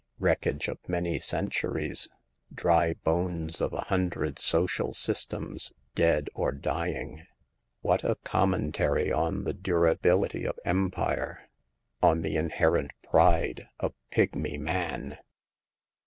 Wreckage of many centuries ; dry bones of a hundred social sys tems, dead or dying ! What a commentary on the durability of empire — on the inherent pride of pigmy man